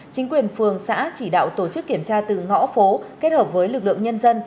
chính quyền phường xã chỉ đạo tổ chức kiểm tra từ ngõ phố kết hợp với lực lượng nhân dân